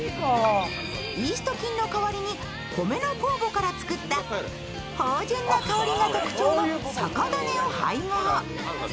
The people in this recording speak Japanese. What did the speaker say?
イースト菌の代わりに米の酵母から作った芳醇な香りが特徴の酒種を配合。